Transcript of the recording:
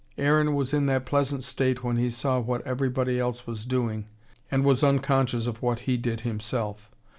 Aaron was in that pleasant state when he saw what everybody else was doing and was unconscious of what he did himself.